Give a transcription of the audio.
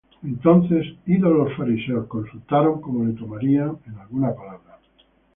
Entonces, idos los Fariseos, consultaron cómo le tomarían en alguna palabra.